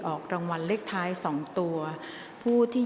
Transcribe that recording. ออกรางวัลเลขหน้า๓ตัวครั้งที่๒